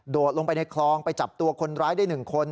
ลงไปในคลองไปจับตัวคนร้ายได้๑คน